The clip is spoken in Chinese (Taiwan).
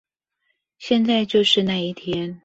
現在就是那一天